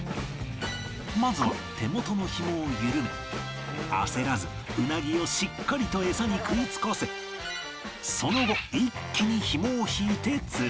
まずは手元のひもを緩め焦らずウナギをしっかりとエサに食いつかせその後一気にひもを引いて釣る